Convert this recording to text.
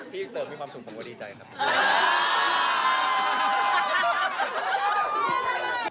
พี่เติบมีความสุขผมก็ดีใจครับ